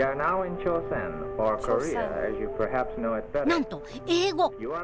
なんと英語。